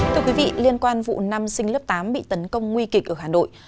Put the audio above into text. thưa quý vị liên quan vụ năm sinh lớp tám bị tấn công nguy kịch ở hà nội